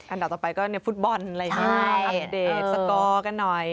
อันดับต่อไปก็ในฟุตบอลอะไรอย่างนี้อัปเดตสกอร์กันหน่อย